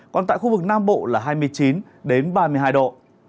còn tại khu vực nam bộ là hai mươi chín ba mươi hai độ